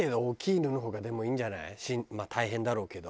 まあ大変だろうけど。